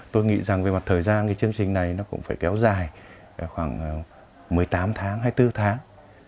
tôi nghĩ rằng về mặt thời gian cái chương trình này nó cũng phải kéo dài khoảng một mươi tám tháng hay bốn tháng